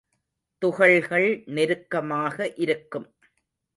துகள்கள் நெருக்கமாக இருக்கும்.